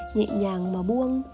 nhẹ nhàng mà buông